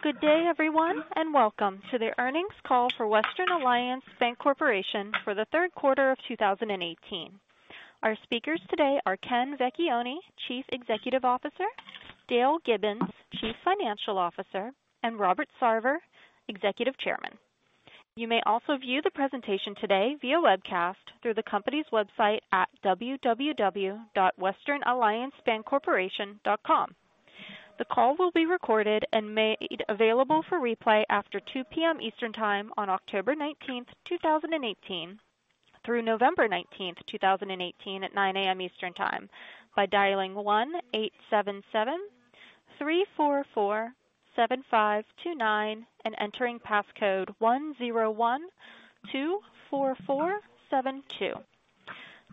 Good day, everyone, and welcome to the earnings call for Western Alliance Bancorporation for the third quarter of 2018. Our speakers today are Ken Vecchione, Chief Executive Officer, Dale Gibbons, Chief Financial Officer, and Robert Sarver, Executive Chairman. You may also view the presentation today via webcast through the company's website at www.westernalliancebancorporation.com. The call will be recorded and made available for replay after 2:00 P.M. Eastern Time on October 19th, 2018, through November 19th, 2018, at 9:00 A.M. Eastern Time by dialing 1-877-344-7529 and entering passcode 10124472.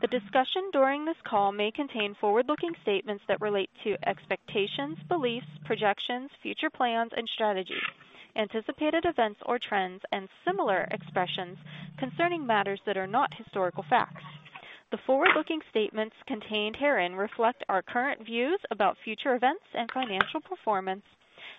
The discussion during this call may contain forward-looking statements that relate to expectations, beliefs, projections, future plans and strategies, anticipated events or trends, and similar expressions concerning matters that are not historical facts. The forward-looking statements contained herein reflect our current views about future events and financial performance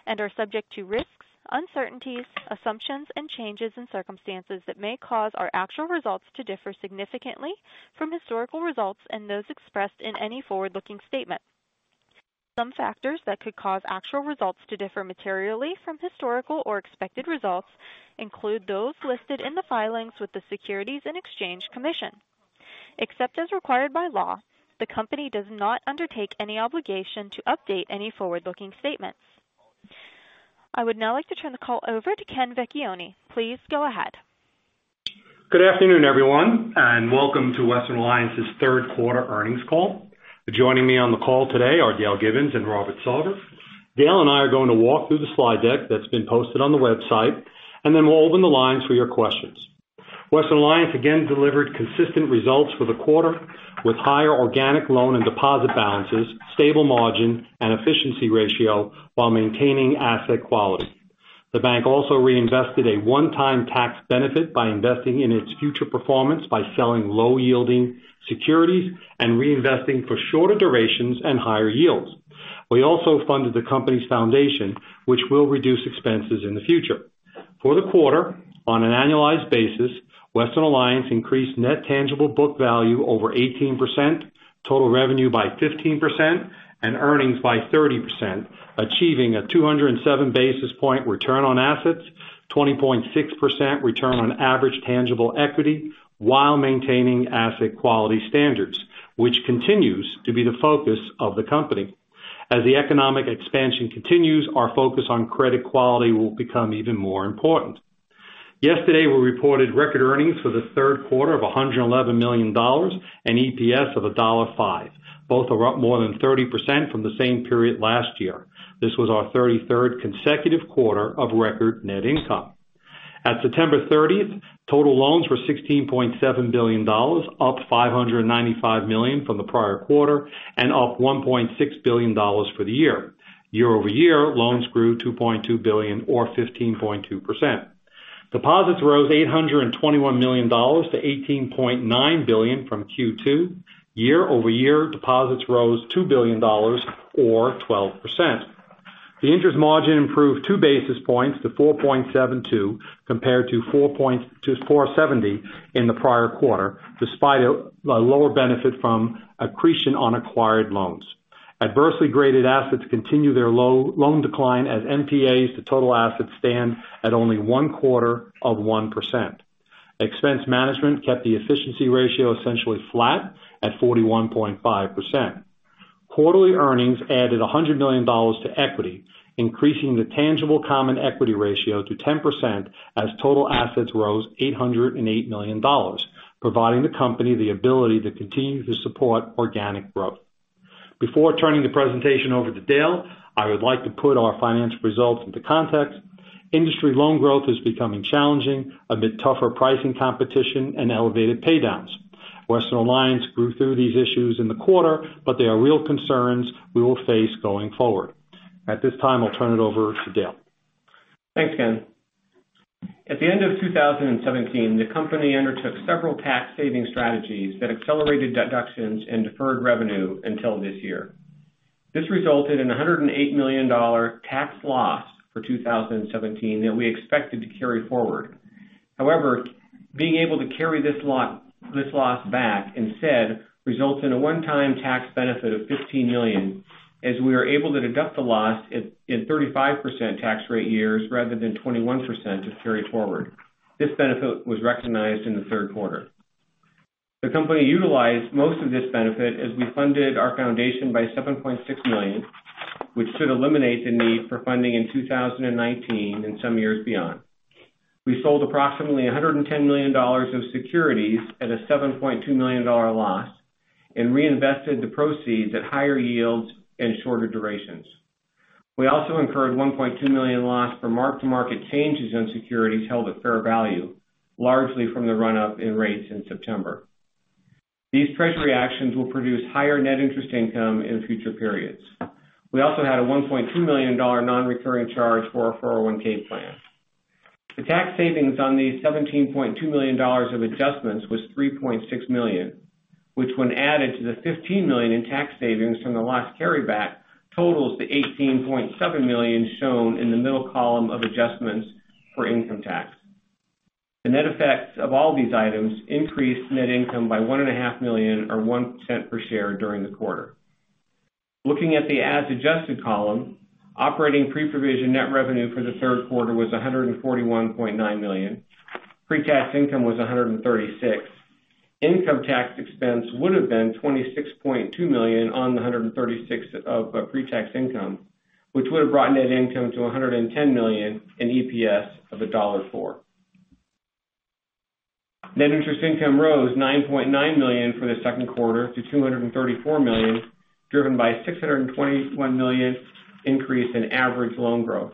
and are subject to risks, uncertainties, assumptions, and changes in circumstances that may cause our actual results to differ significantly from historical results and those expressed in any forward-looking statement. Some factors that could cause actual results to differ materially from historical or expected results include those listed in the filings with the Securities and Exchange Commission. Except as required by law, the company does not undertake any obligation to update any forward-looking statements. I would now like to turn the call over to Ken Vecchione. Please go ahead. Good afternoon, everyone, and welcome to Western Alliance's third quarter earnings call. Joining me on the call today are Dale Gibbons and Robert Sarver. Dale and I are going to walk through the slide deck that's been posted on the website. Then we'll open the lines for your questions. Western Alliance again delivered consistent results for the quarter with higher organic loan and deposit balances, stable margin, and efficiency ratio while maintaining asset quality. The bank also reinvested a one-time tax benefit by investing in its future performance by selling low-yielding securities and reinvesting for shorter durations and higher yields. We also funded the company's foundation, which will reduce expenses in the future. For the quarter, on an annualized basis, Western Alliance increased net tangible book value over 18%, total revenue by 15%, and earnings by 30%, achieving a 207 basis point return on assets, 20.6% return on average tangible equity while maintaining asset quality standards, which continues to be the focus of the company. As the economic expansion continues, our focus on credit quality will become even more important. Yesterday, we reported record earnings for the third quarter of $111 million and EPS of $1.05. Both are up more than 30% from the same period last year. This was our 33rd consecutive quarter of record net income. At September 30th, total loans were $16.7 billion, up $595 million from the prior quarter and up $1.6 billion for the year. Year-over-year, loans grew $2.2 billion, or 15.2%. Deposits rose $821 million to $18.9 billion from Q2. Year-over-year, deposits rose $2 billion, or 12%. The interest margin improved two basis points to 4.72%, compared to 4.70% in the prior quarter, despite a lower benefit from accretion on acquired loans. Adversely graded assets continue their loan decline as NPAs to total assets stand at only one-quarter of 1%. Expense management kept the efficiency ratio essentially flat at 41.5%. Quarterly earnings added $100 million to equity, increasing the tangible common equity ratio to 10% as total assets rose $808 million, providing the company the ability to continue to support organic growth. Before turning the presentation over to Dale, I would like to put our financial results into context. Industry loan growth is becoming challenging amid tougher pricing competition and elevated paydowns. Western Alliance grew through these issues in the quarter, but they are real concerns we will face going forward. At this time, I'll turn it over to Dale. Thanks, Ken. At the end of 2017, the company undertook several tax saving strategies that accelerated deductions and deferred revenue until this year. This resulted in $108 million tax loss for 2017 that we expected to carry forward. However, being able to carry this loss back instead results in a one-time tax benefit of $15 million, as we were able to deduct the loss in 35% tax rate years rather than 21% if carried forward. This benefit was recognized in the third quarter. The company utilized most of this benefit as we funded our foundation by $7.6 million, which should eliminate the need for funding in 2019 and some years beyond. We sold approximately $110 million of securities at a $7.2 million loss and reinvested the proceeds at higher yields and shorter durations. We also incurred $1.2 million loss for mark-to-market changes in securities held at fair value, largely from the run-up in rates in September. These treasury actions will produce higher net interest income in future periods. We also had a $1.2 million non-recurring charge for our 401(k) plan. The tax savings on these $17.2 million of adjustments was $3.6 million, which when added to the $15 million in tax savings from the loss carryback, totals the $18.7 million shown in the middle column of adjustments for income tax. The net effect of all these items increased net income by $1.5 million, or $0.01 per share during the quarter. Looking at the as adjusted column, operating pre-provision net revenue for the third quarter was $141.9 million. Pre-tax income was $136 million. Income tax expense would've been $26.2 million on the $136 of pre-tax income, which would've brought net income to $110 million in EPS of $1.04. Net interest income rose $9.9 million for the second quarter to $234 million, driven by $621 million increase in average loan growth.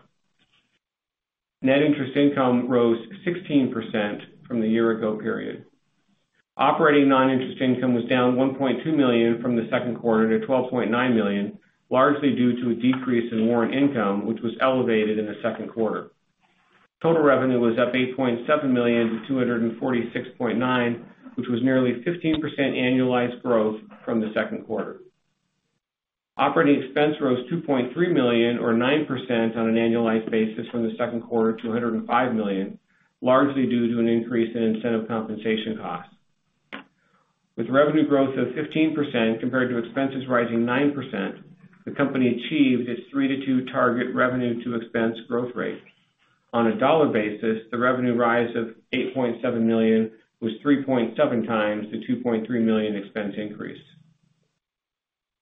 Net interest income rose 16% from the year ago period. Operating non-interest income was down $1.2 million from the second quarter to $12.9 million, largely due to a decrease in warrant income, which was elevated in the second quarter. Total revenue was up $8.7 million to $246.9, which was nearly 15% annualized growth from the second quarter. Operating expense rose $2.3 million or 9% on an annualized basis from the second quarter to $105 million, largely due to an increase in incentive compensation costs. With revenue growth of 15% compared to expenses rising 9%, the company achieved its 3 to 2 target revenue to expense growth rate. On a dollar basis, the revenue rise of $8.7 million was 3.7 times the $2.3 million expense increase.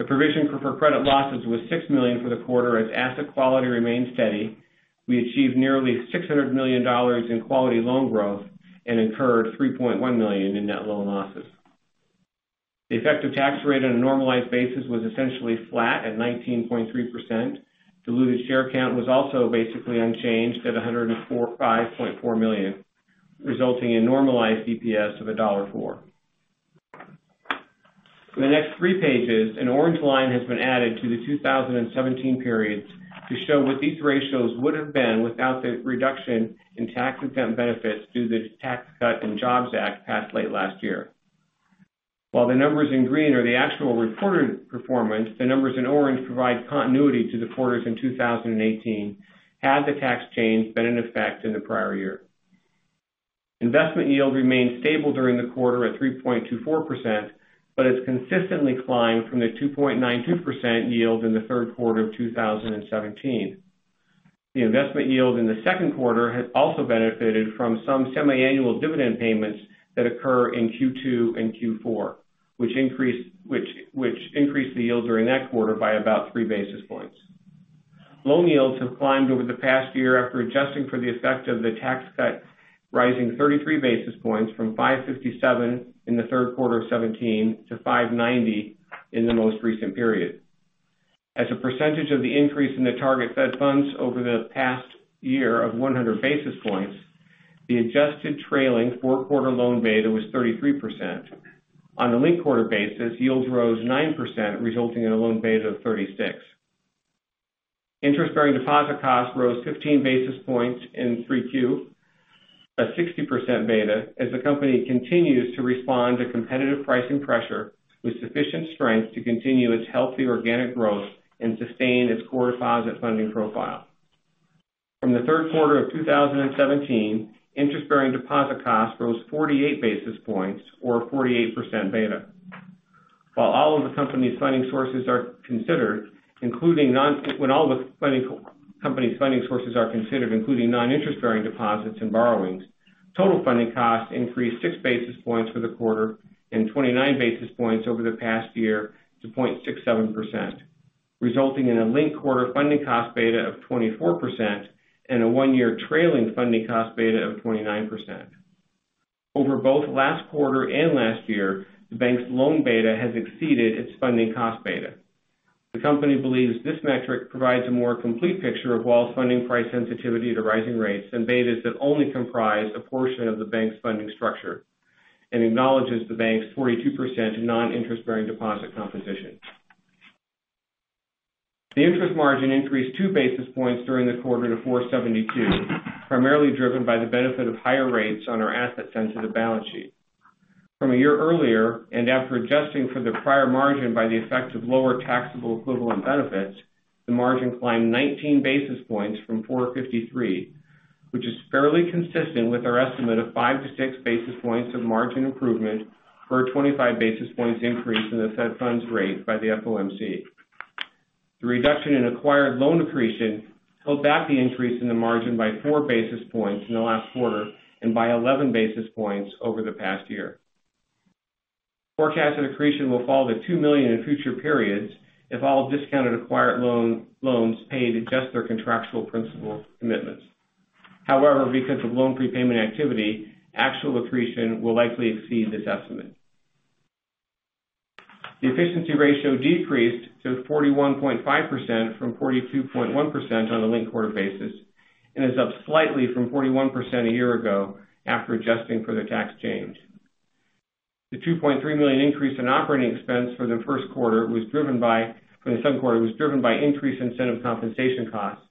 The provision for credit losses was $6 million for the quarter. As asset quality remained steady, we achieved nearly $600 million in quality loan growth and incurred $3.1 million in net loan losses. The effective tax rate on a normalized basis was essentially flat at 19.3%. Diluted share count was also basically unchanged at 105.4 million, resulting in normalized EPS of $1.04. For the next three pages, an orange line has been added to the 2017 periods to show what these ratios would've been without the reduction in tax exempt benefits due to the Tax Cuts and Jobs Act passed late last year. While the numbers in green are the actual reported performance, the numbers in orange provide continuity to the quarters in 2018 had the tax change been in effect in the prior year. Investment yield remained stable during the quarter at 3.24%, but it's consistently climbed from the 2.92% yield in the third quarter of 2017. The investment yield in the second quarter has also benefited from some semiannual dividend payments that occur in Q2 and Q4, which increased the yields during that quarter by about three basis points. Loan yields have climbed over the past year after adjusting for the effect of the tax cut, rising 33 basis points from 557 in the third quarter of 2017 to 590 in the most recent period. As a percentage of the increase in the target Fed funds over the past year of 100 basis points, the adjusted trailing four quarter loan beta was 33%. On a linked quarter basis, yields rose 9%, resulting in a loan beta of 36. Interest-bearing deposit costs rose 15 basis points in 3Q, a 60% beta as the company continues to respond to competitive pricing pressure with sufficient strength to continue its healthy organic growth and sustain its core deposit funding profile. From the third quarter of 2017, interest-bearing deposit cost rose 48 basis points or 48% beta. When all the company's funding sources are considered, including non-interest bearing deposits and borrowings, total funding costs increased six basis points for the quarter and 29 basis points over the past year to 0.67%, resulting in a linked quarter funding cost beta of 24% and a one year trailing funding cost beta of 29%. Over both last quarter and last year, the bank's loan beta has exceeded its funding cost beta. The company believes this metric provides a more complete picture of Western Alliance's funding price sensitivity to rising rates than betas that only comprise a portion of the bank's funding structure and acknowledges the bank's 42% non-interest bearing deposit composition. The interest margin increased two basis points during the quarter to 4.72%, primarily driven by the benefit of higher rates on our asset sensitive balance sheet. From a year earlier, and after adjusting for the prior margin by the effect of lower taxable equivalent benefits, the margin climbed 19 basis points from 4.53%, which is fairly consistent with our estimate of five to six basis points of margin improvement per 25 basis points increase in the Fed funds rate by the FOMC. The reduction in acquired loan accretion held back the increase in the margin by four basis points in the last quarter and by 11 basis points over the past year. Forecasted accretion will fall to $2 million in future periods if all discounted acquired loans paid adjust their contractual principal commitments. However, because of loan prepayment activity, actual accretion will likely exceed this estimate. The efficiency ratio decreased to 41.5% from 42.1% on a linked quarter basis, and is up slightly from 41% a year ago after adjusting for the tax change. The $2.3 million increase in operating expense for the second quarter was driven by increased incentive compensation costs.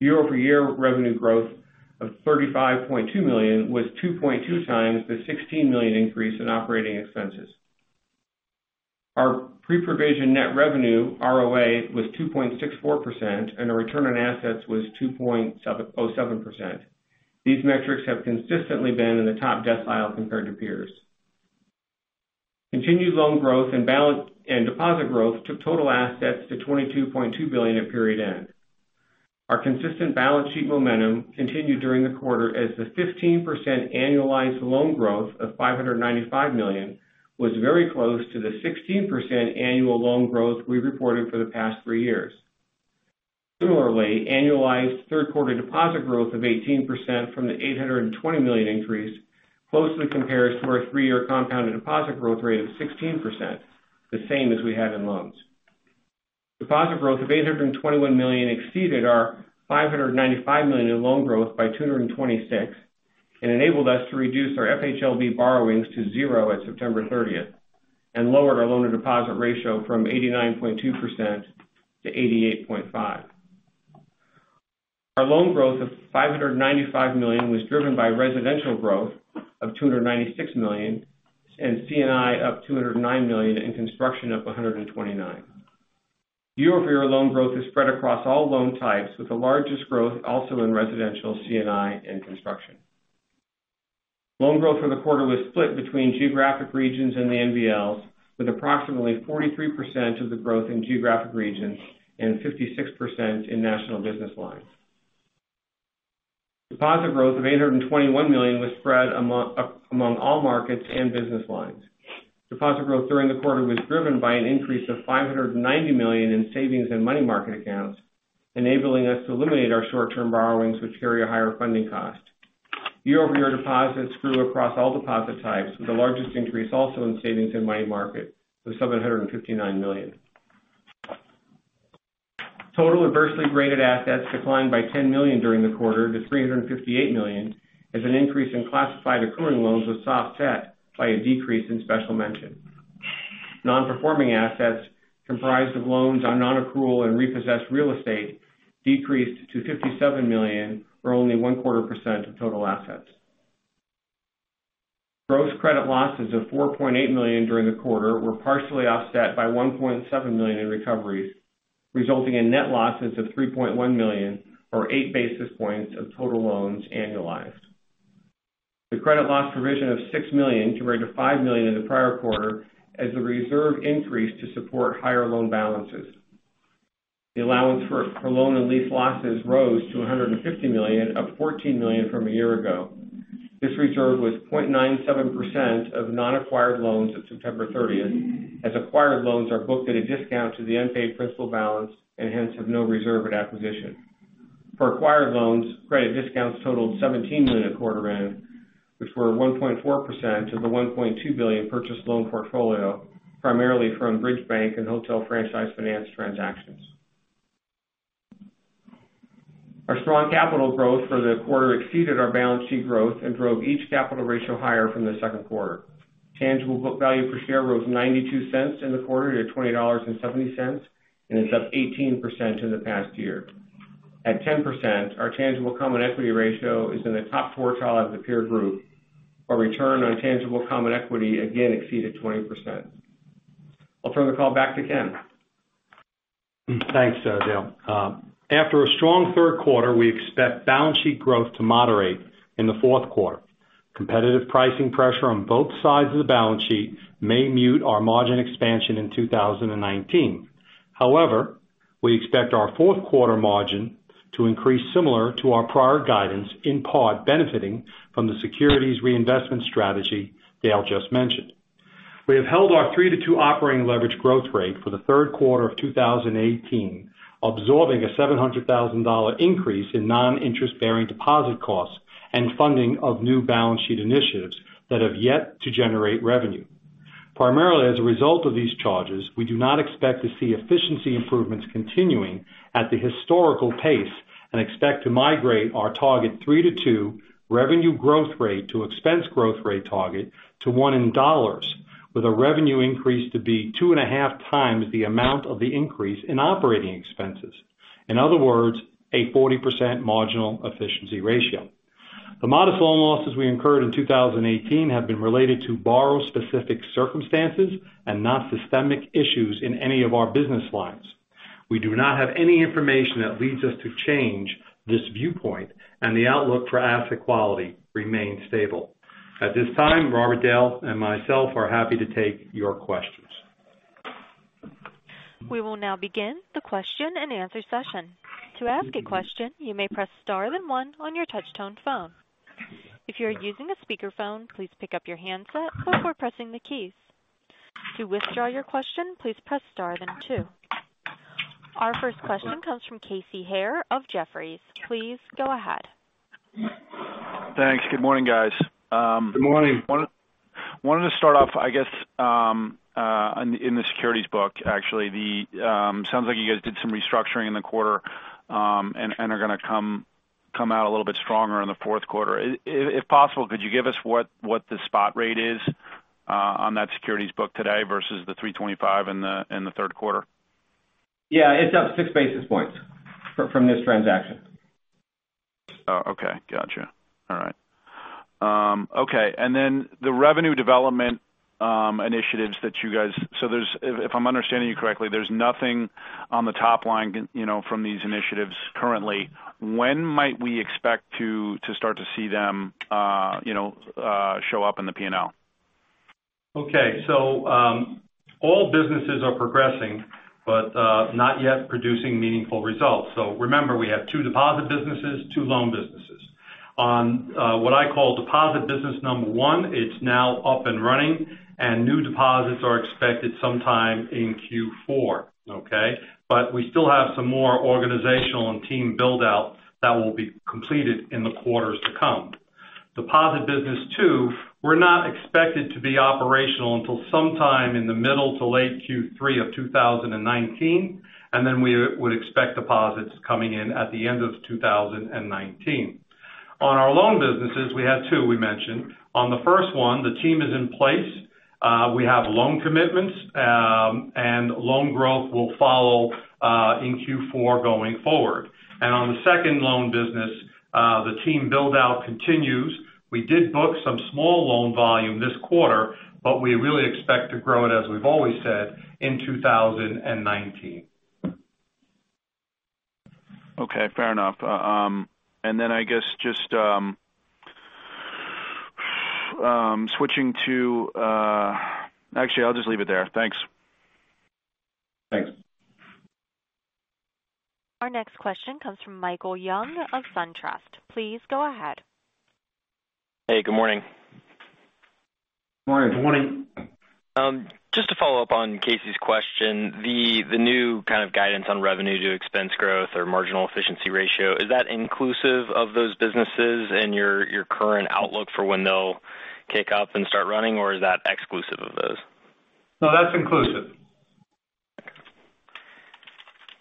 Year-over-year revenue growth of $35.2 million was 2.2 times the $16 million increase in operating expenses. Our pre-provision net revenue ROA was 2.64%, and our return on assets was 2.07%. These metrics have consistently been in the top decile compared to peers. Continued loan growth and deposit growth took total assets to $22.2 billion at period end. Our consistent balance sheet momentum continued during the quarter as the 15% annualized loan growth of $595 million was very close to the 16% annual loan growth we reported for the past three years. Similarly, annualized third quarter deposit growth of 18% from the $820 million increase closely compares to our three-year compounded deposit growth rate of 16%, the same as we had in loans. Deposit growth of $821 million exceeded our $595 million in loan growth by $226 million and enabled us to reduce our FHLB borrowings to zero at September 30th and lowered our loan-to-deposit ratio from 89.2% to 88.5%. Our loan growth of $595 million was driven by residential growth of $296 million, and C&I up $209 million and construction up $129 million. Year-over-year loan growth is spread across all loan types, with the largest growth also in residential C&I and construction. Loan growth for the quarter was split between geographic regions and the NBLs, with approximately 43% of the growth in geographic regions and 56% in national business lines. Deposit growth of $821 million was spread among all markets and business lines. Deposit growth during the quarter was driven by an increase of $590 million in savings and money market accounts, enabling us to eliminate our short-term borrowings, which carry a higher funding cost. Year-over-year deposits grew across all deposit types, with the largest increase also in savings and money market of $759 million. Total adversely rated assets declined by $10 million during the quarter to $358 million as an increase in classified accruing loans was offset by a decrease in special mention. Non-performing assets comprised of loans on non-accrual and repossessed real estate decreased to $57 million, or only one quarter percent of total assets. Gross credit losses of $4.8 million during the quarter were partially offset by $1.7 million in recoveries, resulting in net losses of $3.1 million or eight basis points of total loans annualized. The credit loss provision of $6 million compared to $5 million in the prior quarter as the reserve increased to support higher loan balances. The allowance for loan and lease losses rose to $150 million of $14 million from a year ago. This reserve was 0.97% of non-acquired loans at September 30th, as acquired loans are booked at a discount to the unpaid principal balance and hence have no reserve at acquisition. For acquired loans, credit discounts totaled $17 million quarter end, which were 1.4% of the $1.2 billion purchased loan portfolio, primarily from Bridge Bank and Hotel Franchise Finance transactions. Our strong capital growth for the quarter exceeded our balance sheet growth and drove each capital ratio higher from the second quarter. Tangible book value per share rose $0.92 in the quarter to $20.70 and is up 18% in the past year. At 10%, our tangible common equity ratio is in the top quartile of the peer group. Our return on tangible common equity again exceeded 20%. I'll turn the call back to Ken. Thanks, Dale. After a strong third quarter, we expect balance sheet growth to moderate in the fourth quarter. Competitive pricing pressure on both sides of the balance sheet may mute our margin expansion in 2019. However, we expect our fourth quarter margin to increase similar to our prior guidance, in part benefiting from the securities reinvestment strategy Dale just mentioned. We have held our three to two operating leverage growth rate for the third quarter of 2018, absorbing a $700,000 increase in non-interest bearing deposit costs and funding of new balance sheet initiatives that have yet to generate revenue. Primarily as a result of these charges, we do not expect to see efficiency improvements continuing at the historical pace and expect to migrate our target three to two revenue growth rate to expense growth rate target to one in dollars with a revenue increase to be two and a half times the amount of the increase in operating expenses. In other words, a 40% marginal efficiency ratio. The modest loan losses we incurred in 2018 have been related to borrower-specific circumstances and not systemic issues in any of our business lines. We do not have any information that leads us to change this viewpoint, and the outlook for asset quality remains stable. At this time, Robert, Dale, and myself are happy to take your questions. We will now begin the question and answer session. To ask a question, you may press star then one on your touchtone phone. If you are using a speakerphone, please pick up your handset before pressing the keys. To withdraw your question, please press star then two. Our first question comes from Casey Haire of Jefferies. Please go ahead. Thanks. Good morning, guys. Good morning. Wanted to start off, I guess, in the securities book, actually. Sounds like you guys did some restructuring in the quarter and are going to come out a little bit stronger in the fourth quarter. If possible, could you give us what the spot rate is on that securities book today versus the 325 in the third quarter? Yeah. It's up six basis points from this transaction. Okay. Got you. All right. Okay. The revenue development initiatives that you guys, if I'm understanding you correctly, there's nothing on the top line from these initiatives currently. When might we expect to start to see them show up in the P&L? Okay. All businesses are progressing, but not yet producing meaningful results. Remember, we have two deposit businesses, two loan businesses. On what I call deposit business number 1, it's now up and running, and new deposits are expected sometime in Q4. Okay? We still have some more organizational and team build-out that will be completed in the quarters to come. Deposit business two, we're not expected to be operational until sometime in the middle to late Q3 of 2019, then we would expect deposits coming in at the end of 2019. On our loan businesses, we had two, we mentioned. On the first one, the team is in place. We have loan commitments, and loan growth will follow in Q4 going forward. On the second loan business, the team build-out continues. We did book some small loan volume this quarter, we really expect to grow it, as we've always said, in 2019. Okay. Fair enough. I guess just switching. Actually, I'll just leave it there. Thanks. Thanks. Our next question comes from Michael Young of SunTrust. Please go ahead. Hey, good morning. Morning. Just to follow up on Casey's question, the new kind of guidance on revenue to expense growth or marginal efficiency ratio, is that inclusive of those businesses and your current outlook for when they'll kick up and start running, or is that exclusive of those? No, that's inclusive.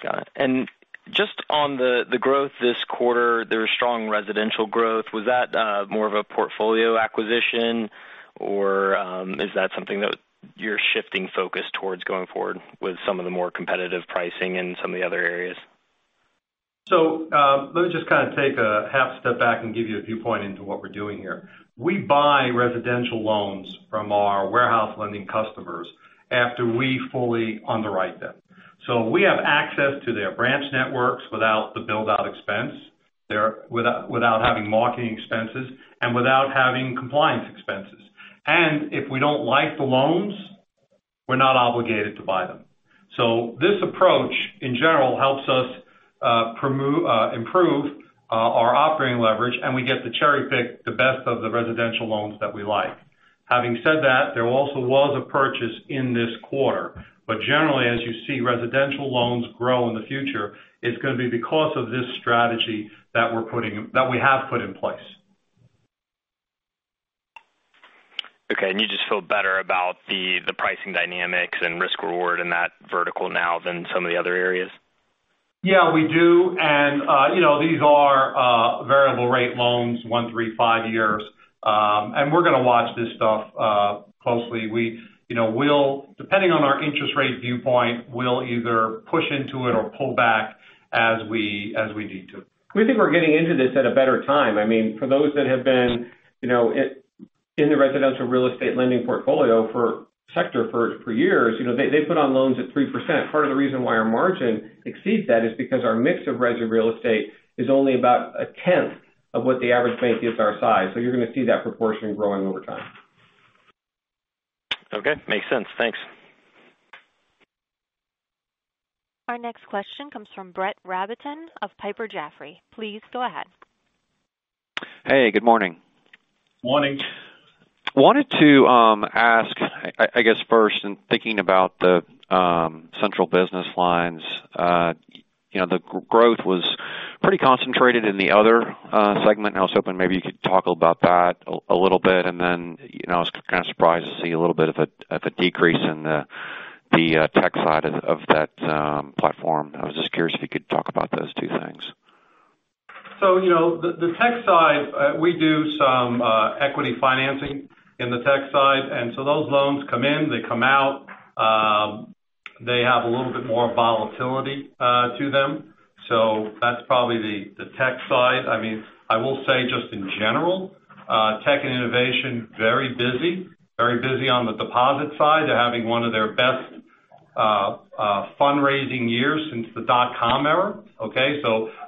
Got it. Just on the growth this quarter, there was strong residential growth. Was that more of a portfolio acquisition or is that something that you're shifting focus towards going forward with some of the more competitive pricing in some of the other areas? Let me just kind of take a half step back and give you a viewpoint into what we're doing here. We buy residential loans from our warehouse lending customers after we fully underwrite them. We have access to their branch networks without the build-out expense, without having marketing expenses, and without having compliance expenses. If we don't like the loans, we're not obligated to buy them. This approach, in general, helps us improve our operating leverage, and we get to cherry-pick the best of the residential loans that we like. Having said that, there also was a purchase in this quarter. Generally, as you see residential loans grow in the future, it's going to be because of this strategy that we have put in place. Okay. You just feel better about the pricing dynamics and risk reward in that vertical now than some of the other areas? Yeah, we do. These are variable rate loans, one, three, five years. We're going to watch this stuff closely. Depending on our interest rate viewpoint, we'll either push into it or pull back as we need to. We think we're getting into this at a better time. For those that have been in the residential real estate lending portfolio for sector for years, they put on loans at 3%. Part of the reason why our margin exceeds that is because our mix of resi real estate is only about a tenth of what the average bank is our size. You're going to see that proportion growing over time. Okay. Makes sense. Thanks. Our next question comes from Brett Rabatin of Piper Jaffray. Please go ahead. Hey, good morning. Morning. I wanted to ask, I guess first in thinking about the National Business Lines. The growth was pretty concentrated in the other segment, I was hoping maybe you could talk about that a little bit. Then, I was kind of surprised to see a little bit of a decrease in the tech side of that platform. I was just curious if you could talk about those two things. The tech side, we do some equity financing in the tech side. Those loans come in, they come out. They have a little bit more volatility to them. That's probably the tech side. I will say just in general, tech and innovation, very busy. Very busy on the deposit side. They're having one of their best fundraising years since the dot-com era. Okay?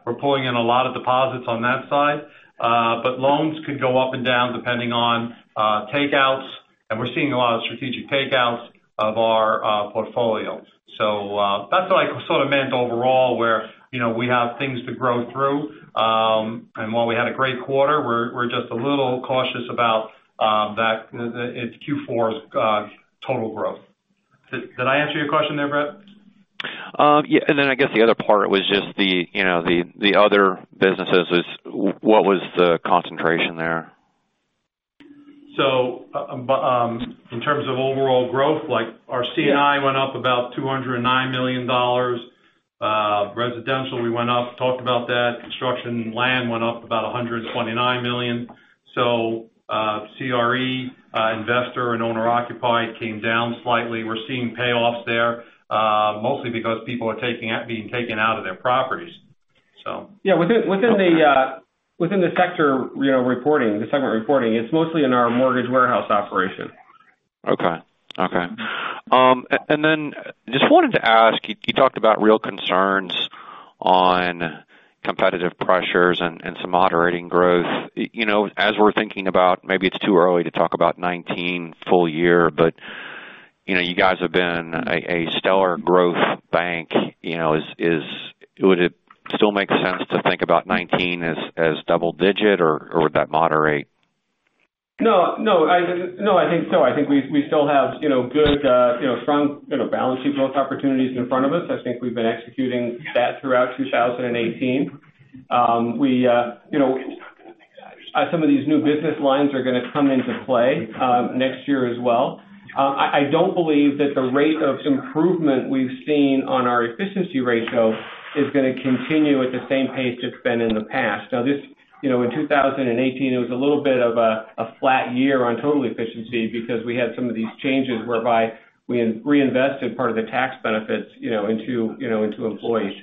We're pulling in a lot of deposits on that side. Loans could go up and down depending on takeouts, and we're seeing a lot of strategic takeouts of our portfolio. That's what I sort of meant overall where we have things to grow through. While we had a great quarter, we're just a little cautious about that in Q4's total growth. Did I answer your question there, Brett? Yeah. Then I guess the other part was just the other businesses is what was the concentration there? In terms of overall growth, our C&I went up about $209 million. Residential, we went up, talked about that. Construction and land went up about $129 million. CRE, investor, and owner-occupied came down slightly. We're seeing payoffs there mostly because people are being taken out of their properties. Yeah. Within the sector reporting, the segment reporting, it's mostly in our mortgage warehouse operation. Okay. Just wanted to ask, you talked about real concerns on competitive pressures and some moderating growth. As we're thinking about, maybe it's too early to talk about 2019 full year, but you guys have been a stellar growth bank. Would it still make sense to think about 2019 as double-digit, or would that moderate? No, I think so. I think we still have good, strong balancing growth opportunities in front of us. I think we've been executing that throughout 2018. Some of these new business lines are going to come into play next year as well. I don't believe that the rate of improvement we've seen on our efficiency ratio is going to continue at the same pace it's been in the past. This, in 2018, it was a little bit of a flat year on total efficiency because we had some of these changes whereby we reinvested part of the tax benefits into employees.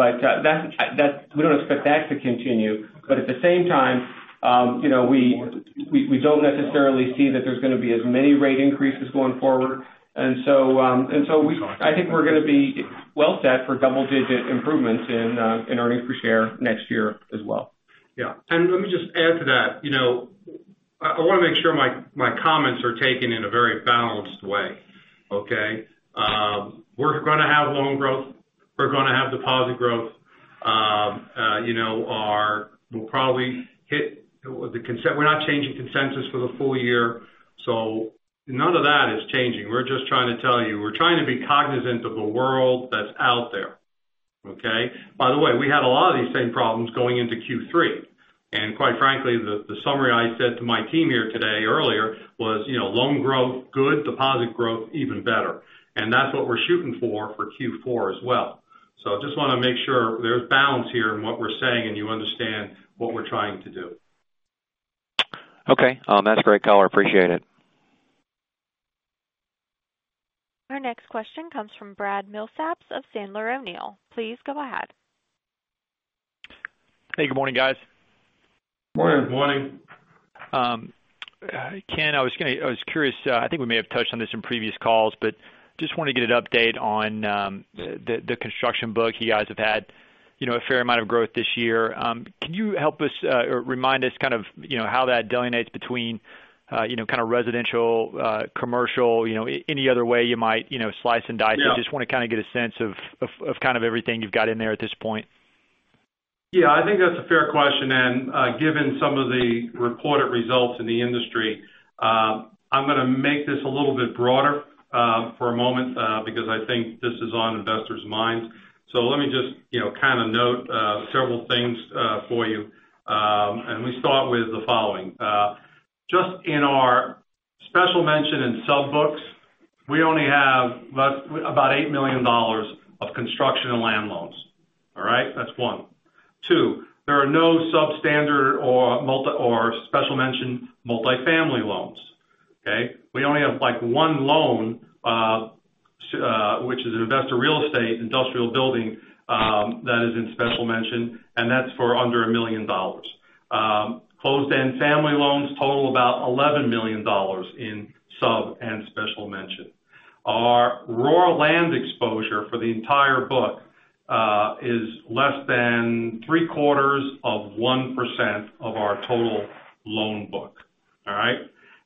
We don't expect that to continue. At the same time, we don't necessarily see that there's going to be as many rate increases going forward. I think we're going to be well set for double-digit improvements in earnings per share next year as well. Yeah. Let me just add to that. I want to make sure my comments are taken in a very balanced way. Okay. We're going to have loan growth. We're going to have deposit growth. We're not changing consensus for the full year, so none of that is changing. We're just trying to tell you, we're trying to be cognizant of the world that's out there. Okay. By the way, we had a lot of these same problems going into Q3. Quite frankly, the summary I said to my team here today earlier was, loan growth, good. Deposit growth, even better. That's what we're shooting for Q4 as well. I just want to make sure there's balance here in what we're saying, and you understand what we're trying to do. Okay. That's great color. Appreciate it. Our next question comes from Brad Milsaps of Sandler O'Neill. Please go ahead. Hey, good morning, guys. Morning. Morning. Ken, I was curious. I think we may have touched on this in previous calls, but just want to get an update on the construction book. You guys have had a fair amount of growth this year. Can you help us or remind us kind of how that delineates between kind of residential, commercial, any other way you might slice and dice it? Yeah. Just want to kind of get a sense of kind of everything you've got in there at this point. Yeah, I think that's a fair question. Given some of the reported results in the industry, I'm going to make this a little bit broader for a moment because I think this is on investors' minds. Let me just kind of note several things for you. We start with the following. Just in our special mention in sub books, we only have about $8 million of construction and land loans. All right? That's one. Two, there are no substandard or special mention multifamily loans. Okay? We only have one loan which is an investor real estate industrial building that is in special mention, and that's for under $1 million. Closed-end family loans total about $11 million in sub and special mention. Our rural land exposure for the entire book is less than three-quarters of 1% of our total loan book. All right?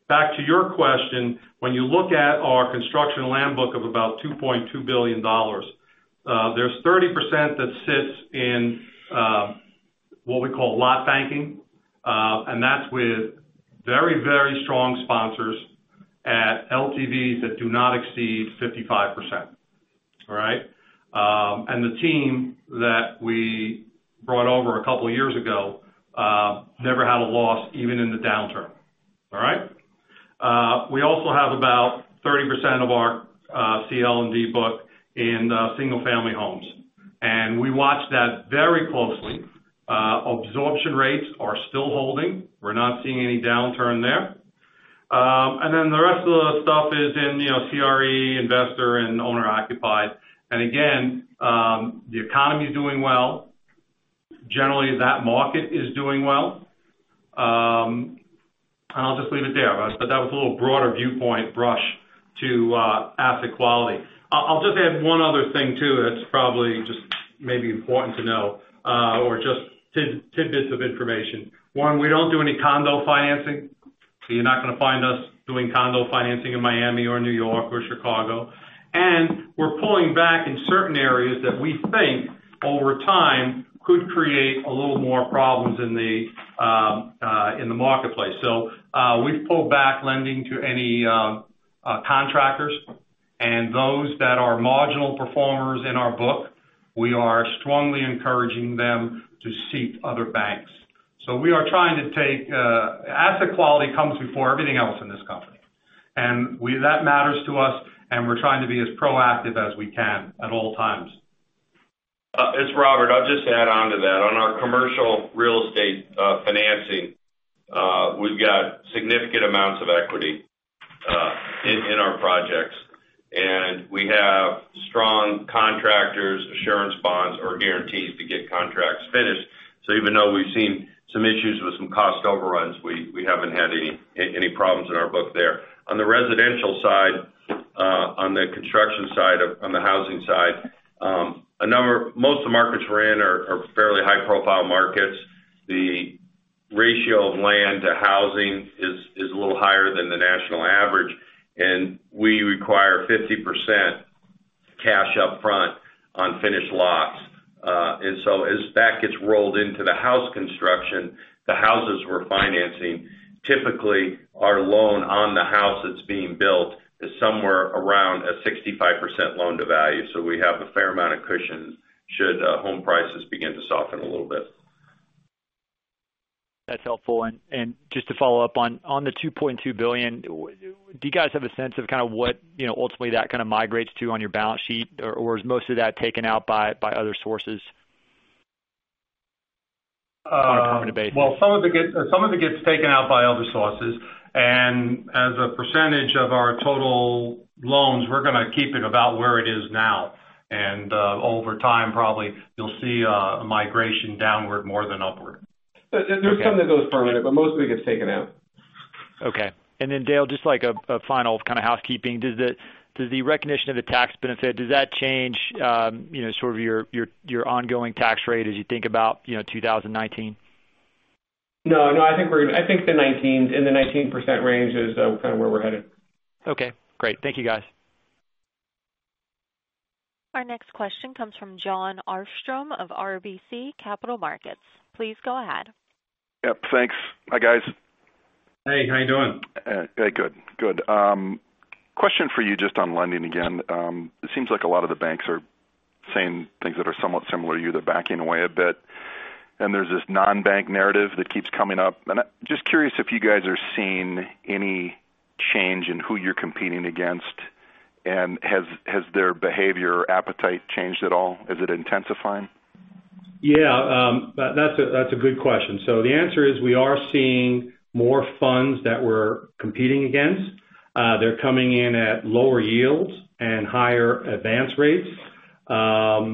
Back to your question. When you look at our construction land book of about $2.2 billion, there's 30% that sits in what we call lot banking. That's with very, very strong sponsors at LTVs that do not exceed 55%. All right? The team that we brought over a couple of years ago never had a loss even in the downturn. All right? We also have about 30% of our CL&D book in single-family homes. We watch that very closely. Absorption rates are still holding. We're not seeing any downturn there. The rest of the stuff is in CRE, investor, and owner-occupied. Again, the economy is doing well. Generally, that market is doing well. I'll just leave it there. That was a little broader viewpoint brush to asset quality. I'll just add one other thing, too, that's probably just maybe important to know or just tidbits of information. One, we don't do any condo financing. You're not going to find us doing condo financing in Miami or New York or Chicago. We're pulling back in certain areas that we think over time could create a little more problems in the marketplace. We've pulled back lending to any contractors and those that are marginal performers in our book. We are strongly encouraging them to seek other banks. Asset quality comes before everything else in this company. That matters to us, and we're trying to be as proactive as we can at all times. It's Robert. I'll just add on to that. On our commercial real estate financing, we've got significant amounts of equity in our projects. We have strong contractors, assurance bonds, or guarantees to get contracts finished. Even though we've seen some issues with some cost overruns, we haven't had any problems in our book there. On the residential side, on the construction side, on the housing side, most of the markets we're in are fairly high-profile markets. The ratio of land to housing is a little higher than the national average, and we require 50% cash up front on finished lots. As that gets rolled into the house construction, the houses we're financing, typically our loan on the house that's being built is somewhere around a 65% loan to value. We have a fair amount of cushion should home prices begin to soften a little bit. That's helpful. Just to follow up, on the $2.2 billion, do you guys have a sense of kind of what ultimately that kind of migrates to on your balance sheet? Or is most of that taken out by other sources on a current basis? Well, some of it gets taken out by other sources. As a percentage of our total loans, we're going to keep it about where it is now. Over time, probably you'll see a migration downward more than upward. There's some that goes permanent, but mostly it gets taken out. Okay. Dale, just like a final kind of housekeeping. Does the recognition of the tax benefit, does that change sort of your ongoing tax rate as you think about 2019? No. I think in the 19% range is kind of where we're headed. Okay, great. Thank you, guys. Our next question comes from Jon Arfstrom of RBC Capital Markets. Please go ahead. Yep, thanks. Hi, guys. Hey, how you doing? Good. Question for you just on lending again. It seems like a lot of the banks are saying things that are somewhat similar to you. They're backing away a bit. There's this non-bank narrative that keeps coming up. Just curious if you guys are seeing any change in who you're competing against, and has their behavior or appetite changed at all? Is it intensifying? Yeah. That's a good question. The answer is, we are seeing more funds that we're competing against. They're coming in at lower yields and higher advance rates. They are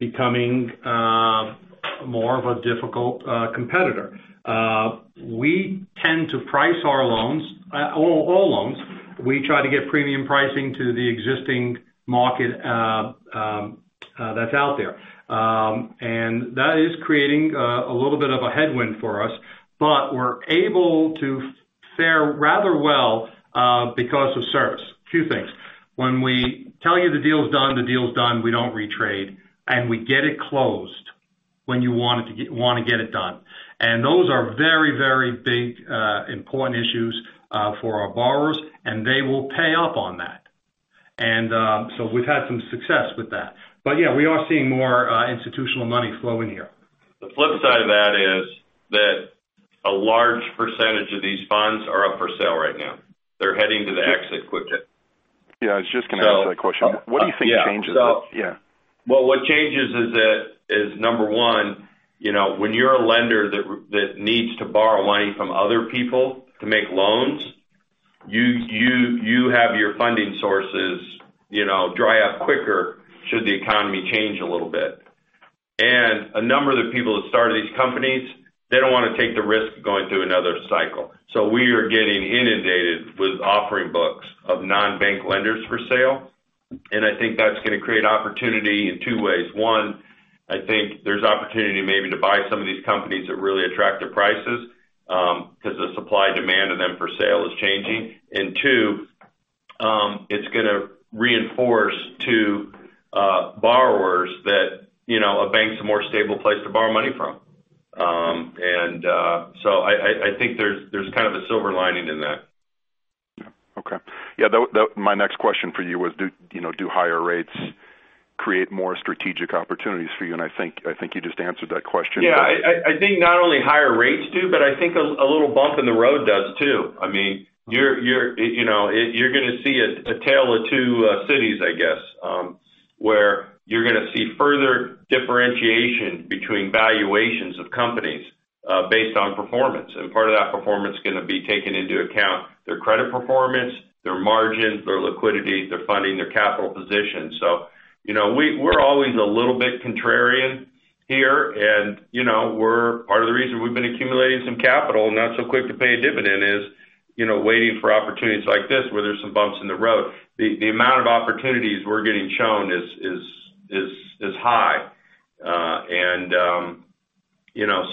becoming more of a difficult competitor. We tend to price our loans, all loans. We try to get premium pricing to the existing market that's out there. That is creating a little bit of a headwind for us. We're able to fare rather well because of service. Two things. When we tell you the deal is done, the deal is done. We don't retrade. We get it closed when you want to get it done. Those are very, very big, important issues for our borrowers, and they will pay up on that. We've had some success with that. Yeah, we are seeing more institutional money flow in here. The flip side of that is that a large percentage of these funds are up for sale right now. They're heading to the exit quickly. Yeah, I was just going to ask that question. What do you think changes? Yeah. What changes is that is number one, when you're a lender that needs to borrow money from other people to make loans, you have your funding sources dry up quicker should the economy change a little bit. A number of the people that started these companies, they don't want to take the risk of going through another cycle. We are getting inundated with offering books of non-bank lenders for sale. I think that's going to create opportunity in two ways. One, I think there's opportunity maybe to buy some of these companies at really attractive prices because the supply-demand of them for sale is changing. Two, it's going to reinforce to borrowers that a bank's a more stable place to borrow money from. I think there's kind of a silver lining in that. Yeah. Okay. Yeah, my next question for you was do higher rates create more strategic opportunities for you? I think you just answered that question. Yeah. I think not only higher rates do, but I think a little bump in the road does too. You're going to see a tale of two cities, I guess, where you're going to see further differentiation between valuations of companies based on performance. Part of that performance is going to be taking into account their credit performance, their margins, their liquidity, their funding, their capital position. We're always a little bit contrarian here. Part of the reason we've been accumulating some capital and not so quick to pay a dividend is waiting for opportunities like this where there's some bumps in the road. The amount of opportunities we're getting shown is high.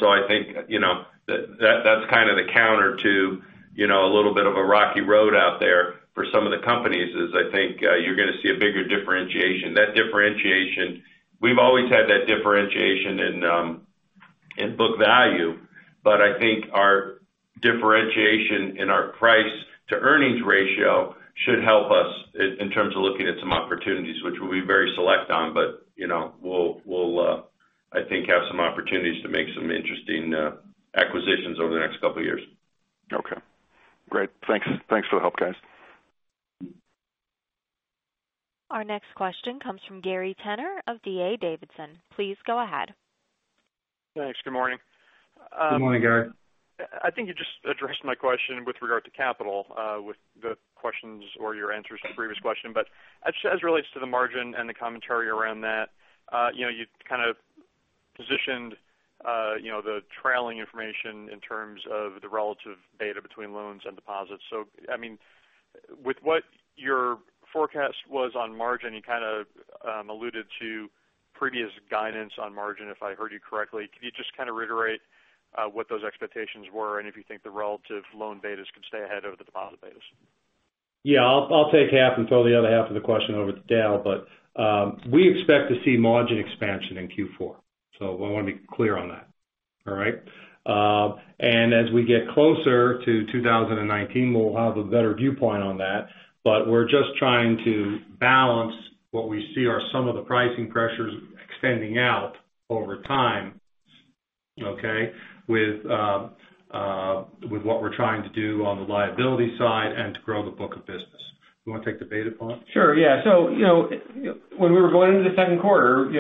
I think that's kind of the counter to a little bit of a rocky road out there for some of the companies is I think you're going to see a bigger differentiation. We've always had that differentiation in In book value. I think our differentiation in our price to earnings ratio should help us in terms of looking at some opportunities, which we'll be very select on. We'll, I think, have some opportunities to make some interesting acquisitions over the next couple of years. Okay. Great. Thanks for the help, guys. Our next question comes from Gary Tenner of D.A. Davidson. Please go ahead. Thanks. Good morning. Good morning, Gary. I think you just addressed my question with regard to capital with the questions or your answers to the previous question. As it relates to the margin and the commentary around that, you kind of positioned the trailing information in terms of the relative beta between loans and deposits. With what your forecast was on margin, you kind of alluded to previous guidance on margin, if I heard you correctly. Could you just kind of reiterate what those expectations were and if you think the relative loan betas could stay ahead of the deposit betas? Yeah. I'll take half and throw the other half of the question over to Dale. We expect to see margin expansion in Q4, I want to be clear on that. All right? As we get closer to 2019, we'll have a better viewpoint on that. We're just trying to balance what we see are some of the pricing pressures extending out over time, okay, with what we're trying to do on the liability side and to grow the book of business. You want to take the beta part? Sure. Yeah. When we were going into the second quarter, we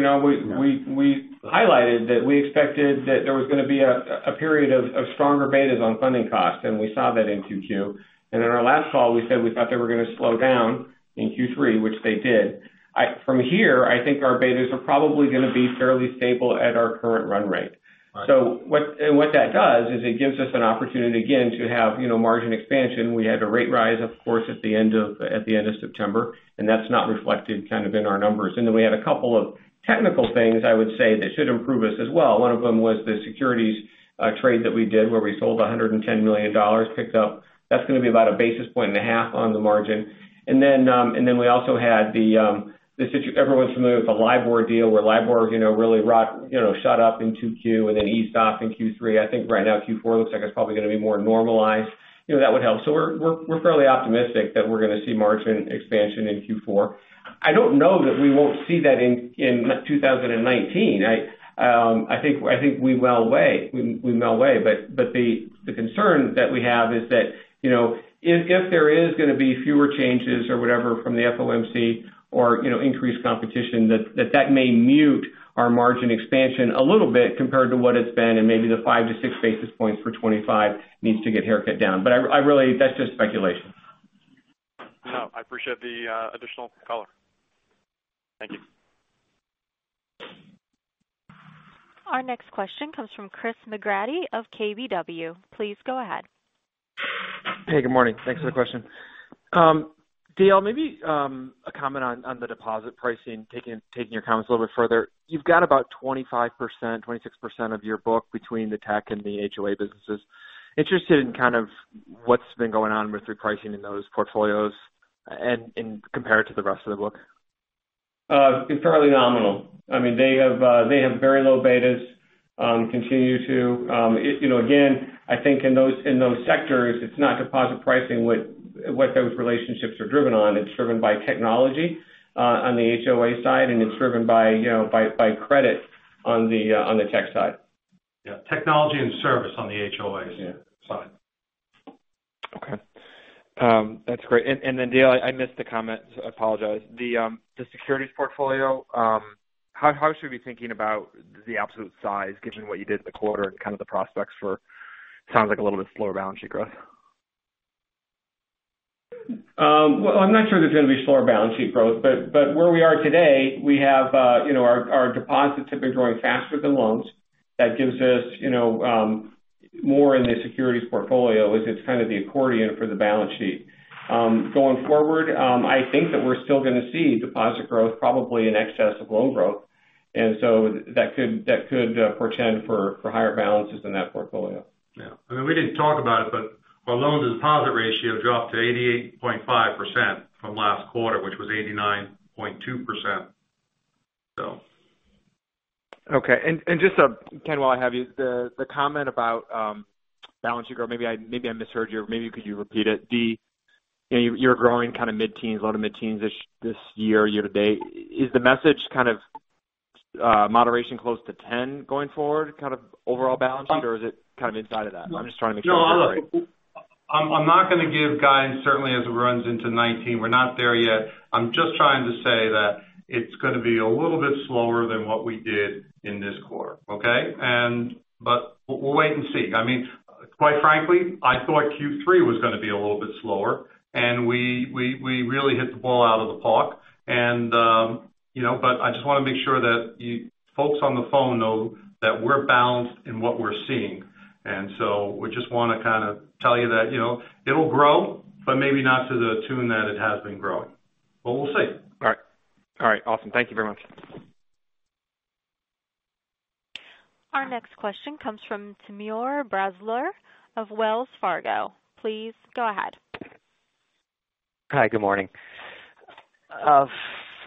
highlighted that we expected that there was going to be a period of stronger betas on funding costs, and we saw that in Q2. In our last call, we said we thought they were going to slow down in Q3, which they did. From here, I think our betas are probably going to be fairly stable at our current run rate. Right. What that does is it gives us an opportunity, again, to have margin expansion. We had a rate rise, of course, at the end of September, that's not reflected in our numbers. We had a couple of technical things, I would say, that should improve us as well. One of them was the securities trade that we did where we sold $110 million, picked up. That's going to be about a basis point and a half on the margin. We also had the, everyone's familiar with the LIBOR deal, where LIBOR really shot up in Q2 and then eased off in Q3. I think right now Q4 looks like it's probably going to be more normalized. That would help. We're fairly optimistic that we're going to see margin expansion in Q4. I don't know that we won't see that in 2019. I think we well may. The concern that we have is that if there is going to be fewer changes or whatever from the FOMC or increased competition, that may mute our margin expansion a little bit compared to what it's been and maybe the five to six basis points for 2025 needs to get haircut down. That's just speculation. I appreciate the additional color. Thank you. Our next question comes from Chris McGratty of KBW. Please go ahead. Hey, good morning. Thanks for the question. Dale, maybe a comment on the deposit pricing, taking your comments a little bit further. You've got about 25%, 26% of your book between the tech and the HOA businesses. Interested in kind of what's been going on with your pricing in those portfolios and compared to the rest of the book. Fairly nominal. They have very low betas, continue to. Again, I think in those sectors, it's not deposit pricing what those relationships are driven on. It's driven by technology on the HOA side, and it's driven by credit on the tech side. Yeah. Technology and service on the HOA side. Okay. That's great. Dale, I missed the comment. I apologize. The securities portfolio, how should we be thinking about the absolute size given what you did in the quarter and kind of the prospects for, sounds like a little bit slower balance sheet growth? Well, I'm not sure there's going to be slower balance sheet growth. Where we are today, our deposits have been growing faster than loans. That gives us more in the securities portfolio as it's kind of the accordion for the balance sheet. Going forward, I think that we're still going to see deposit growth probably in excess of loan growth. That could portend for higher balances in that portfolio. Yeah. We didn't talk about it, our loan-to-deposit ratio dropped to 88.5% from last quarter, which was 89.2%. Okay. Just, Ken, while I have you, the comment about balance sheet growth, maybe I misheard you or maybe could you repeat it? You're growing kind of mid-teens, low to mid-teens this year to date. Is the message kind of moderation close to 10 going forward, kind of overall balance sheet or is it kind of inside of that? I'm just trying to make sure I heard right. No. I'm not going to give guidance certainly as it runs into 2019. We're not there yet. I'm just trying to say that it's going to be a little bit slower than what we did in this quarter. Okay? We'll wait and see. Quite frankly, I thought Q3 was going to be a little bit slower, and we really hit the ball out of the park. I just want to make sure that you folks on the phone know that we're balanced in what we're seeing. We just want to kind of tell you that it'll grow, but maybe not to the tune that it has been growing. We'll see. All right. Awesome. Thank you very much. Our next question comes from Timur Braziler of Wells Fargo. Please go ahead. Hi, good morning.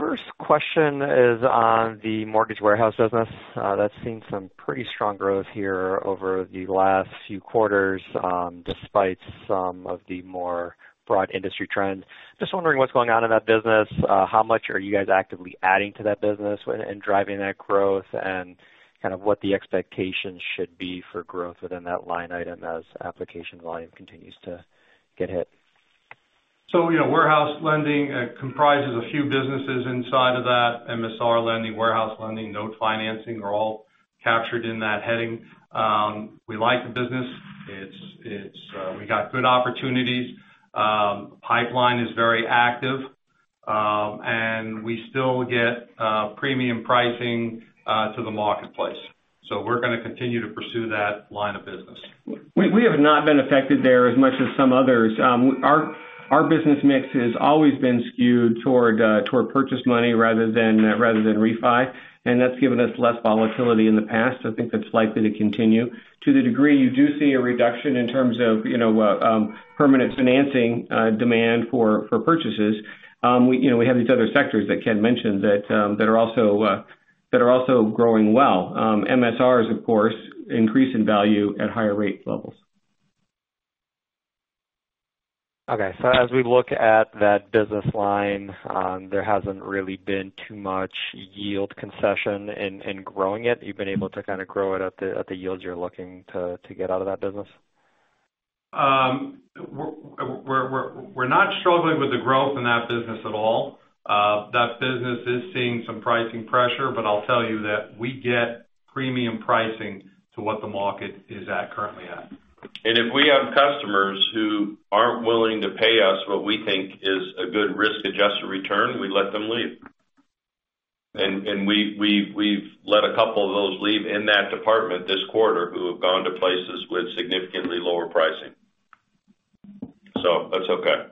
First question is on the mortgage warehouse business. That's seen some pretty strong growth here over the last few quarters, despite some of the more broad industry trends. Just wondering what's going on in that business. How much are you guys actively adding to that business and driving that growth, and kind of what the expectations should be for growth within that line item as application volume continues to get hit? Warehouse lending comprises a few businesses inside of that. MSR lending, warehouse lending, note financing, are all captured in that heading. We like the business. We got good opportunities. Pipeline is very active. We still get premium pricing to the marketplace. We're going to continue to pursue that line of business. We have not been affected there as much as some others. Our business mix has always been skewed toward purchase money rather than refi, and that's given us less volatility in the past. I think that's likely to continue. To the degree you do see a reduction in terms of permanent financing demand for purchases. We have these other sectors that Ken mentioned that are also growing well. MSRs, of course, increase in value at higher rate levels. Okay. As we look at that business line, there hasn't really been too much yield concession in growing it. You've been able to kind of grow it at the yields you're looking to get out of that business? We're not struggling with the growth in that business at all. That business is seeing some pricing pressure, but I'll tell you that we get premium pricing to what the market is at currently at. If we have customers who aren't willing to pay us what we think is a good risk-adjusted return, we let them leave. We've let a couple of those leave in that department this quarter who have gone to places with significantly lower pricing. That's okay.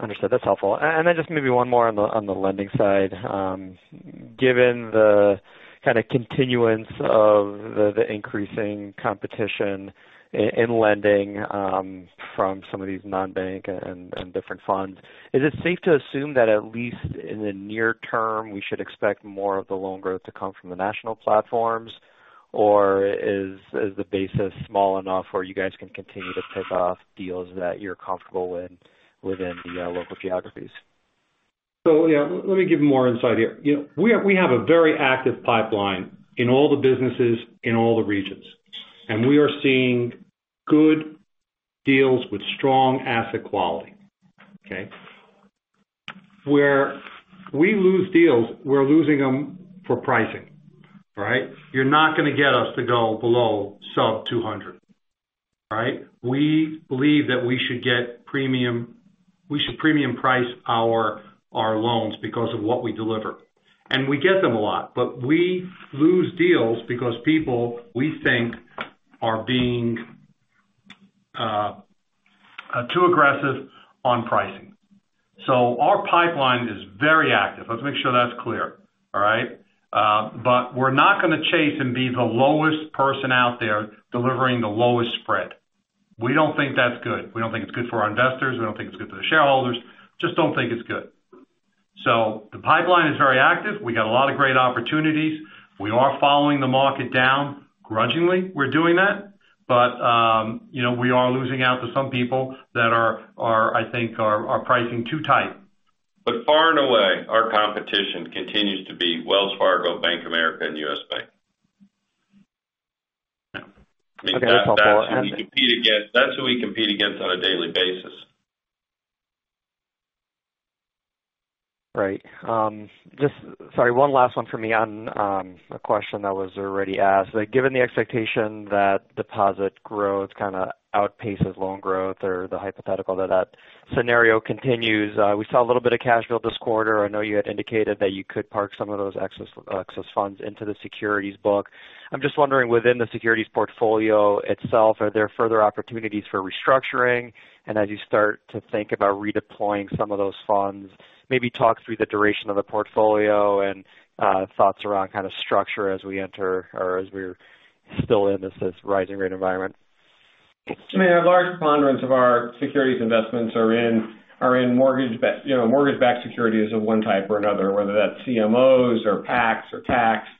Understood. That's helpful. Just maybe one more on the lending side. Given the kind of continuance of the increasing competition in lending from some of these non-bank and different funds, is it safe to assume that at least in the near term, we should expect more of the loan growth to come from the national platforms, or is the base small enough where you guys can continue to pick off deals that you're comfortable with within the local geographies? Yeah. Let me give more insight here. We have a very active pipeline in all the businesses, in all the regions. We are seeing good deals with strong asset quality. Okay. Where we lose deals, we're losing them for pricing. Right. You're not going to get us to go below sub 200. All right. We believe that we should premium price our loans because of what we deliver. We get them a lot, but we lose deals because people, we think, are being too aggressive on pricing. Our pipeline is very active. Let's make sure that's clear. All right. We're not going to chase and be the lowest person out there delivering the lowest spread. We don't think that's good. We don't think it's good for our investors, we don't think it's good for the shareholders, just don't think it's good. The pipeline is very active. We got a lot of great opportunities. We are following the market down. Grudgingly, we're doing that. We are losing out to some people that I think are pricing too tight. Far and away, our competition continues to be Wells Fargo, Bank of America, and U.S. Bank. Okay. That's helpful. That's who we compete against on a daily basis. Right. Sorry, one last one for me on a question that was already asked. Given the expectation that deposit growth kind of outpaces loan growth or the hypothetical that that scenario continues, we saw a little bit of cash build this quarter. I know you had indicated that you could park some of those excess funds into the securities book. I'm just wondering, within the securities portfolio itself, are there further opportunities for restructuring? As you start to think about redeploying some of those funds, maybe talk through the duration of the portfolio and thoughts around kind of structure as we enter or as we're still in this rising rate environment. I mean, a large preponderance of our securities investments are in mortgage-backed securities of one type or another, whether that's CMOs or PACs or TACs.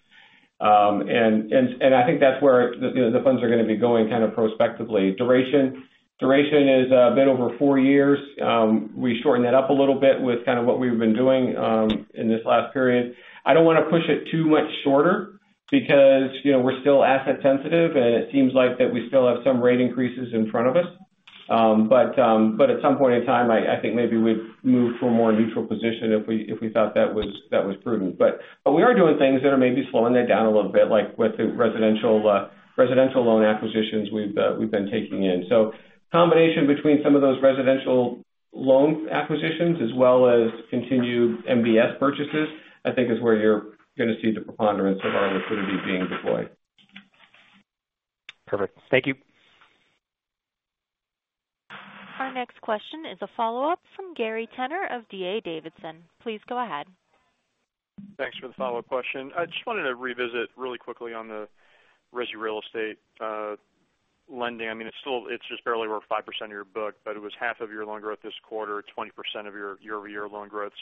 I think that's where the funds are going to be going kind of prospectively. Duration is a bit over four years. We shortened that up a little bit with kind of what we've been doing in this last period. I don't want to push it too much shorter because we're still asset sensitive, and it seems like that we still have some rate increases in front of us. At some point in time, I think maybe we'd move to a more neutral position if we thought that was prudent. We are doing things that are maybe slowing that down a little bit, like with the residential loan acquisitions we've been taking in. Combination between some of those residential loan acquisitions as well as continued MBS purchases, I think is where you're going to see the preponderance of our liquidity being deployed. Perfect. Thank you. Our next question is a follow-up from Gary Tenner of D.A. Davidson. Please go ahead. Thanks for the follow-up question. I just wanted to revisit really quickly on the resi real estate lending. It's just barely over 5% of your book, but it was half of your loan growth this quarter, 20% of your year-over-year loan growth.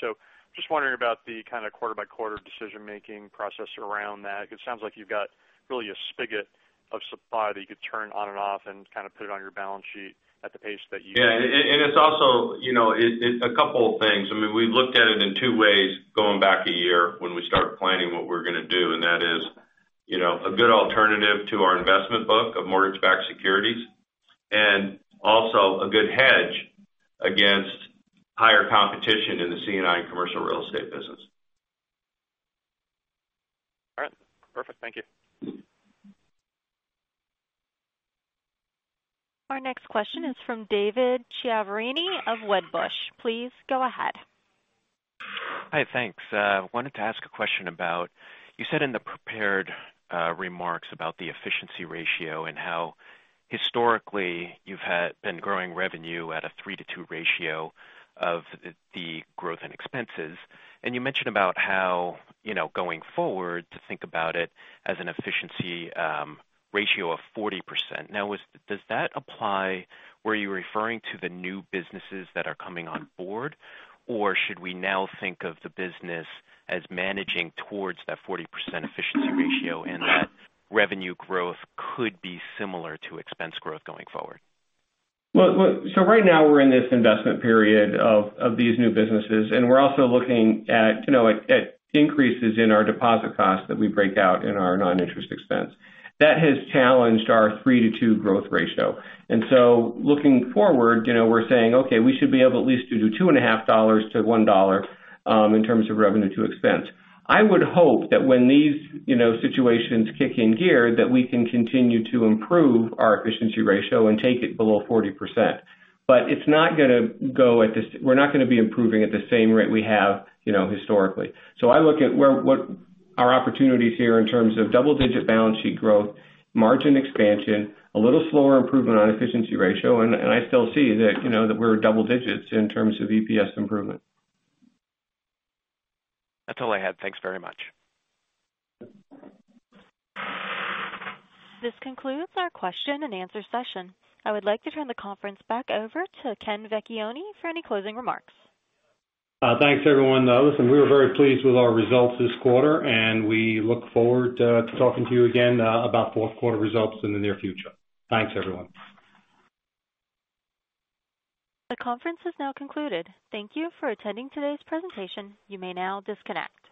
Just wondering about the kind of quarter-by-quarter decision-making process around that. It sounds like you've got really a spigot of supply that you could turn on and off and kind of put it on your balance sheet at the pace that you- Yeah. It's a couple of things. We looked at it in two ways going back a year when we start planning what we're going to do, and that is a good alternative to our investment book of mortgage-backed securities, and also a good hedge against higher competition in the C&I commercial real estate business. All right. Perfect. Thank you. Our next question is from David Chiaverini of Wedbush. Please go ahead. Hi. Thanks. Wanted to ask a question about, you said in the prepared remarks about the efficiency ratio and how historically you've been growing revenue at a three to two ratio of the growth and expenses, and you mentioned about how, going forward, to think about it as an efficiency ratio of 40%. Were you referring to the new businesses that are coming on board? Or should we now think of the business as managing towards that 40% efficiency ratio and that revenue growth could be similar to expense growth going forward? Right now we're in this investment period of these new businesses, and we're also looking at increases in our deposit costs that we break out in our non-interest expense. That has challenged our three to two growth ratio. Looking forward, we're saying, okay, we should be able at least to do $2.50 to $1 in terms of revenue to expense. I would hope that when these situations kick in gear, that we can continue to improve our efficiency ratio and take it below 40%. We're not going to be improving at the same rate we have historically. I look at our opportunities here in terms of double-digit balance sheet growth, margin expansion, a little slower improvement on efficiency ratio, and I still see that we're double digits in terms of EPS improvement. That's all I had. Thanks very much. This concludes our question and answer session. I would like to turn the conference back over to Ken Vecchione for any closing remarks. Thanks, everyone. Listen, we were very pleased with our results this quarter, and we look forward to talking to you again about fourth quarter results in the near future. Thanks, everyone. The conference has now concluded. Thank you for attending today's presentation. You may now disconnect.